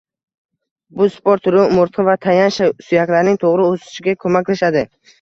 Bu sport turi umurtqa va tayanch suyaklarining to‘g‘ri o‘sishiga ko‘maklashadi